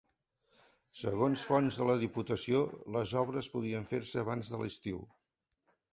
Segons fonts de la Diputació, les obres podrien fer-se abans de l’estiu.